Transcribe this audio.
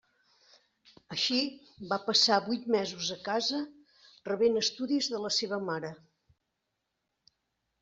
Així va passar vuit mesos a casa rebent estudis de la seva mare.